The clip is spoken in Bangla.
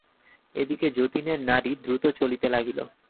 এদিকে যতীনের নাড়ী দ্রুত চলিতে লাগিল।